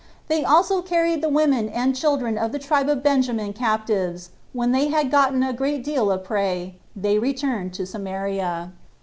They also carried the women and children of the tribe of Benjamin captives; and when they had gotten a great deal of prey, they returned to Samaria.